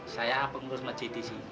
saya pengurus masjid di sini